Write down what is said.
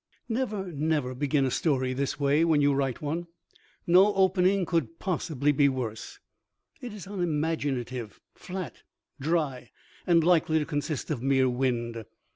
Never, never begin a story this way when you write one. No opening could possibly be worse. It is unimaginative, flat, dry and likely to consist of mere wind.